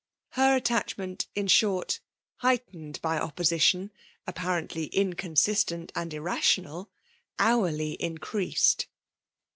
Her at tachment, in short, heightened by oppositioa apparently inconsistent and irrational, hourly increased.